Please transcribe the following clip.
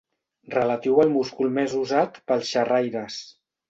Relatiu al múscul més usat pels xerraires.